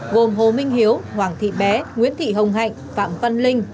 gồm hồ minh hiếu hoàng thị bé nguyễn thị hồng hạnh phạm văn linh